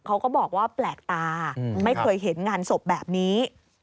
เขาก็บอกว่าแปลกตาไม่เคยเห็นงานศพแบบนี้